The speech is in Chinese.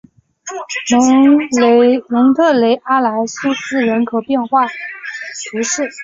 蒙特雷阿莱苏斯人口变化图示